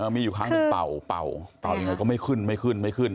มีอยู่ข้างถึงเป่าเป่ายังไงก็ไม่ขึ้นไม่ขึ้นไม่ขึ้น